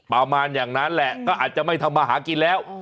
ประมาณอย่างนั้นแหละก็อาจจะไม่ทำมาหากินแล้ว